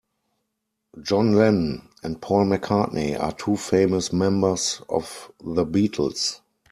John Lennon and Paul McCartney are two famous members of the Beatles.